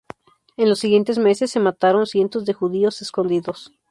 En los siguientes meses se mataron cientos de judíos escondidos.